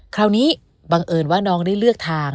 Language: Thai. คราวนี้บังเอิญว่าน้องได้เลือกทาง